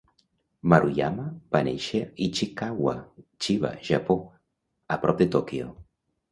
Maruyama va néixer a Ichikawa, Chiba, Japó, a prop de Tòquio.